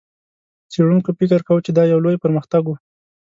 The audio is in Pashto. څېړونکو فکر کاوه، چې دا یو لوی پرمختګ و.